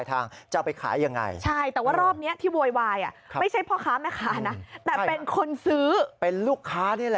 โรงพักโรงพักโรงพักโรงพักโรงพัก